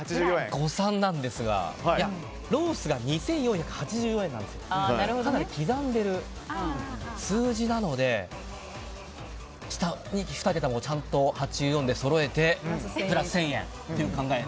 これも誤算なんですがロースが２４８４円でかなり刻んでいる数字なので２桁もちゃんと８４でそろえてプラス１０００円という考えで。